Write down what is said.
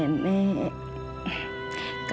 kamu dapat damai